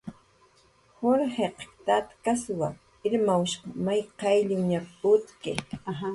"Jushiq tatkaswa, Irmawshq may qayllp"" utki"